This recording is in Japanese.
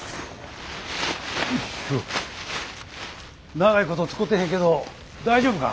長いこと使てへんけど大丈夫か？